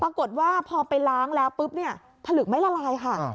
ปรากฏว่าพอไปล้างแล้วผลึกไม่ละลายค่ะ